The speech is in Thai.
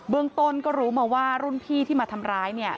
เรื่องต้นก็รู้มาว่ารุ่นพี่ที่มาทำร้ายเนี่ย